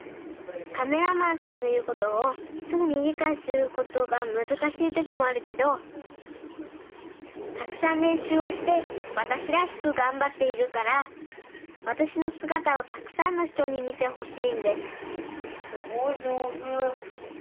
カメラマンさんのいうことをすぐにりかいすることがむずかしいときもあるけどたくさんれんしゅうをしてわたしらしくがんばっているからわたしのすがたをたくさんのひとにみてほしいんですすごいじょうず！